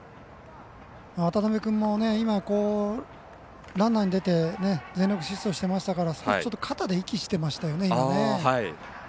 渡邊君もランナーに出て全力疾走してましたから少し肩で息をしていましたよね。